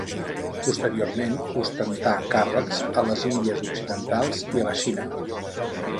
Posteriorment ostentà càrrecs a les Índies occidentals i a la Xina.